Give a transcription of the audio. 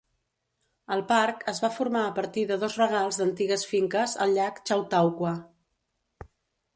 El parc es va formar a partir de dos regals d'antigues finques al llac Chautauqua.